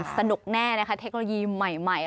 สนุกแน่นะคะเทคโนโลยีใหม่